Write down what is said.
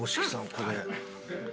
これ。